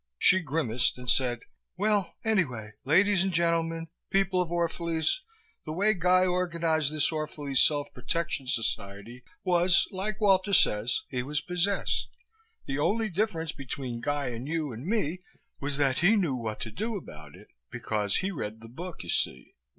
She grimaced and said, "Well, anyway, ladies and gentlemen people of Orph'lese the way Guy organized this Orphalese self protection society was, like Walter says, he was possessed. The only difference between Guy and you and me was that he knew what to do about it, because he read the book, you see.